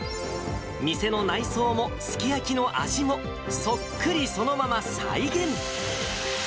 店の内装もすき焼きの味も、そっくりそのまま再現。